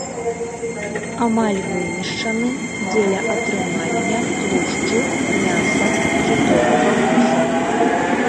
Амаль вынішчаны дзеля атрымання тлушчу, мяса, кітовага вуса.